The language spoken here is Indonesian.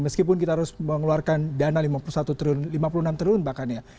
meskipun kita harus mengeluarkan dana lima puluh satu triliun lima puluh enam triliun bahkan ya